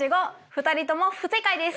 ２人とも不正解です。